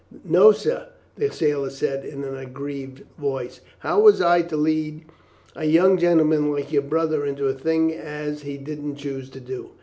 "No, sir," the sailor said in an aggrieved voice. "How was I to lead a young gentleman like your brother into a thing as he didn't choose to do?